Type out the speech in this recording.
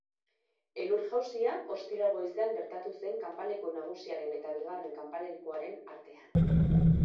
Elur-jausia ostiral goizean gertatu zen kanpaleku nagusiaren eta bigarren kanpalekuaren artean.